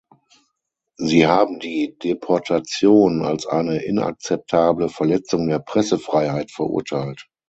Sie haben die Deportation als eine inakzeptable Verletzung der Pressefreiheit verurteilt.